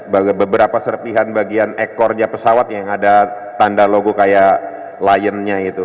beberapa serpihan bagian ekornya pesawat yang ada tanda logo kayak lionnya itu